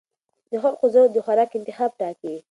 د خلکو ذوق د خوراک انتخاب ټاکي.